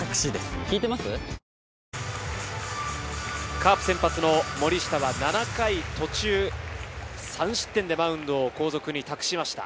カープ先発の森下は７回途中、３失点でマウンドを後続に託しました。